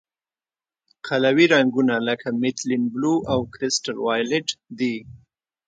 قلوي رنګونه لکه میتیلین بلو او کرسټل وایولېټ دي.